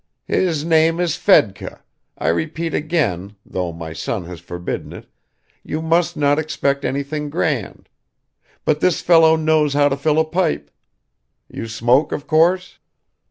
"His name is Fedka, I repeat again, though my son has forbidden it, you must not expect anything grand. But this fellow knows how to fill a pipe. You smoke, of course?"